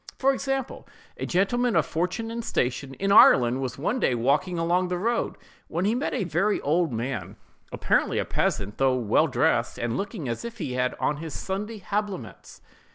For example, a gentleman of fortune and station, in Ireland, was one day walking along the road, when he met a very old man, apparently a peasant, though well dressed, and looking as if he had on his Sunday habiliments.